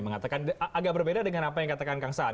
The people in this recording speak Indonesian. mengatakan agak berbeda dengan apa yang katakan kang saan